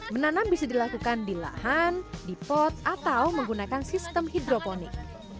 menanam bisa dilakukan di lahan di pot atau menggunakan sistem hidroponik